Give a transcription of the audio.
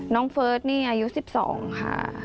น้องเฟิร์ดนี่อายุ๑๒ค่ะ